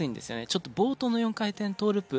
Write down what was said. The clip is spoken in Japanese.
ちょっと冒頭の４回転トーループ